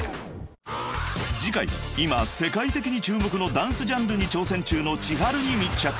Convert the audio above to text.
［次回今世界的に注目のダンスジャンルに挑戦中のｃｈｉｈａｒｕに密着